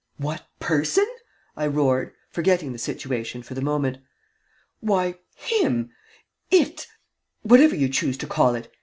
"What person?" I roared, forgetting the situation for the moment. "Why, him it whatever you choose to call it.